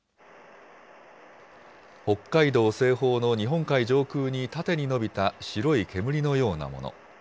北海道西方の日本海上空に縦に伸びた白い煙のようなもの。